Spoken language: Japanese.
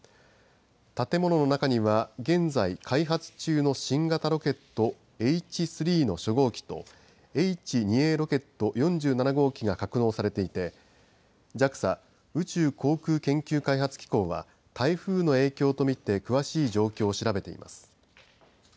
建物の中には現在開発中の新型ロケットＨ３の初号機とＨ２Ａロケット４７号機が格納されていてＪＡＸＡ宇宙航空研究開発機構は台風の影響と見て詳しい状況を調べています。